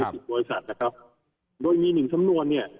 สิบบริษัทนะครับโดยมีหนึ่งสำนวนเนี่ย